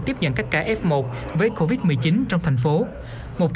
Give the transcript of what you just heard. tiếp nhận các ca f một với covid một mươi chín trong thành phố